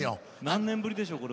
何年ぶりでしょう